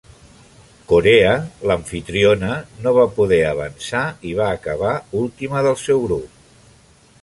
Corea, l"amfitriona, no va poder avançar i va acabar última del seu grup.